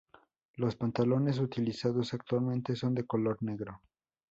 Los pantalones utilizados actualmente son de color negro.